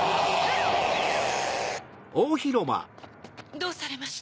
どうされました？